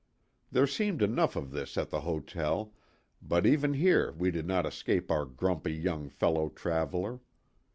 There seemed enough of this at the hotel, but even here we did not escape our grumpy young fellow traveler.